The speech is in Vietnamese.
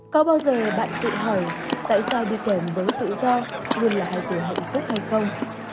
có bao giờ bạn tự hỏi tại sao đi kềm với tự do luôn là hãy tự hạnh phúc hay không